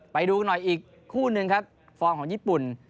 ไปดูกันหน่อยอีกคู่หนึ่งครับฟอร์มของญี่ปุ่น